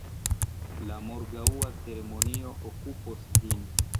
La morgaŭa ceremonio okupos vin.